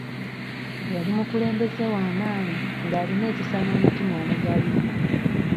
Yali mukulembeze wa maanyi ng'alina ekisa n'omutima omugabi.